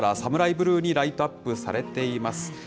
ブルーにライトアップされています。